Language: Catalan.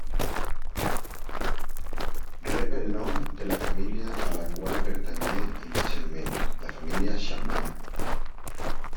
Rep el nom de la família a la qual pertanyé inicialment, la família Xammar.